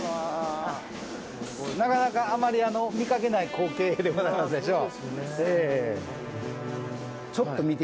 なかなかあまり見かけない光景でございますでしょう。